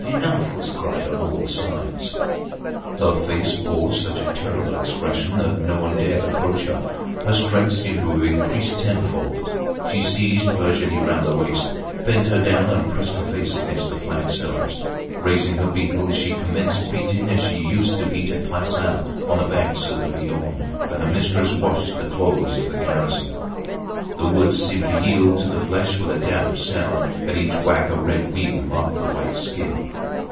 Enough!" was cried on all sides. Her face bore such a terrible expression, that no one dared approach her. Her strength seemed to have increased tenfold. She seized Virginie round the waist, bent her down and pressed her face against the flagstones. Raising her beetle she commenced beating as she used to beat at Plassans, on the banks of the Viorne, when her mistress washed the clothes of the garrison. The wood seemed to yield to the flesh with a damp sound. At each whack a red weal marked the white skin.